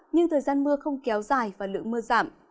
nhưng thời gian mưa không kéo dài và lượng mưa giảm